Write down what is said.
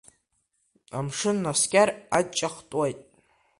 Амшын наскьар аҷҷа хтуеит.